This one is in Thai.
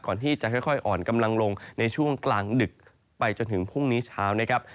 ก่อนที่จะค่อยอ่อนกำลังลงในช่วงกลางดึกไปจนถึงพรุ่งนี้เช้านะครับ